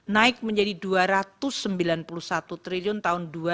naik menjadi rp dua ratus sembilan puluh satu triliun tahun dua ribu dua puluh